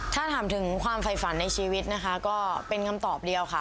ถ้าถามถึงความฝ่ายฝันในชีวิตนะคะก็เป็นคำตอบเดียวค่ะ